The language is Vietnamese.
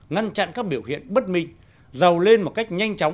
ngăn chặn các biểu hiện bất minh giàu lên một cách nhanh chóng